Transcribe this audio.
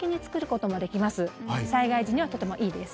災害時にはとてもいいです。